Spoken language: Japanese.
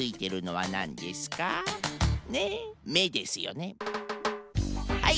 はい。